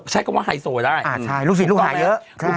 ใช้กลางว่าไฮโซได้อ่าใช่ลูกสิทธิ์ลูกหายเยอะครับลูก